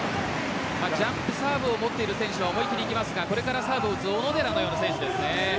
ジャンプサーブを持っている選手は思い切りいきますがこういうサーブを持つ小野寺のような選手ですね。